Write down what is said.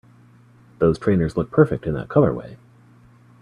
Those trainers look perfect in that colorway!